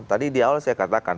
tadi di awal saya katakan